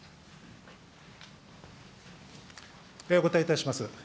ではお答えいたします。